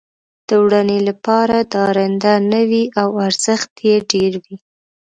د وړنې لپاره درانده نه وي او ارزښت یې ډېر وي.